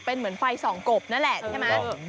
เป็นเหมือนไฟส่องกบนั่นแหละ